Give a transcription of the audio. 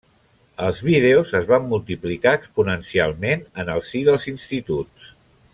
Els vídeos es van multiplicar exponencialment en el si dels instituts.